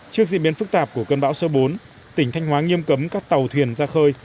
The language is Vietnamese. trước diễn biến phức tạp của cơn bão số bốn tỉnh thanh hóa nghiêm cấm các tàu thuyền ra khơi